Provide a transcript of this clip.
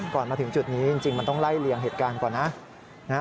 ก่อนมาถึงจุดนี้จริงมันต้องไล่เลียงเหตุการณ์ก่อนนะ